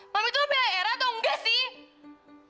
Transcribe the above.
mami itu beli aira atau nggak sih